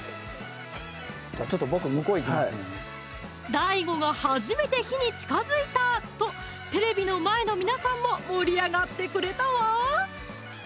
「ＤＡＩＧＯが初めて火に近づいた」とテレビの前の皆さんも盛り上がってくれたわ！